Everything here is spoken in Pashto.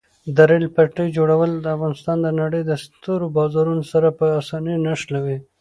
د ریل پټلۍ جوړول افغانستان د نړۍ له سترو بازارونو سره په اسانۍ نښلوي.